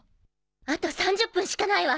あと３０分しかないわ！